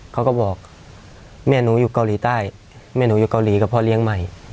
เขาก็บอกแม่หนูอยู่เกาหลีใต้แม่หนูอยู่เกาหลีกับพ่อเลี้ยงใหม่